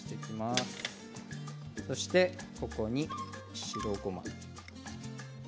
そして、ここに白ごま。